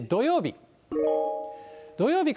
土曜日。